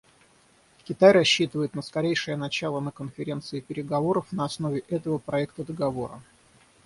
Китай рассчитывает на скорейшее начало на Конференции переговоров на основе этого проекта договора.